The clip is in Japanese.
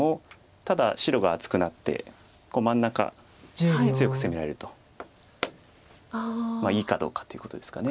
ただ白が厚くなって真ん中強く攻められるといいかどうかっていうことですかね。